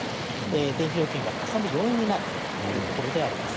電気料金がかさむ要因になるというところであります。